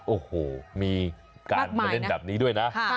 โอ้โหมีการมาเล่นแบบนี้ด้วยนะ